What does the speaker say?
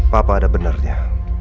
papa ada benernya